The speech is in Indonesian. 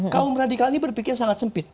kaum radikal ini berpikir sangat sempit